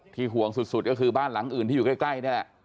ห่วงสุดก็คือบ้านหลังอื่นที่อยู่ใกล้นี่แหละ